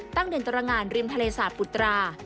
ตั้งเด่นตรงงานริมทะเรศาสตร์ปุตรา